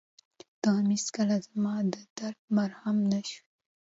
ته هم هېڅکله زما د درد مرهم نه شوې.